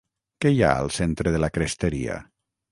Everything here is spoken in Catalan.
Què hi ha al centre de la cresteria?